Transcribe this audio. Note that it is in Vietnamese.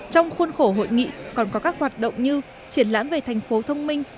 trong khuôn khổ hội nghị còn có các hoạt động như triển lãm về tp thông minh